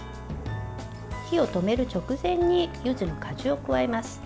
火を止める直前に柚子の果汁を加えます。